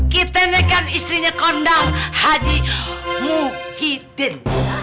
kita ini kan istrinya kondang haji mukidin